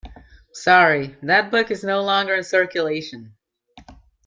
Sorry, that book is no longer in circulation.